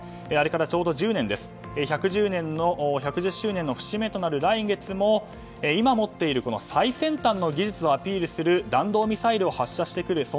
あれからちょうど１０年１１０周年の節目となる来月も今持っている最先端の技術をアピールする弾道ミサイルを発射してくる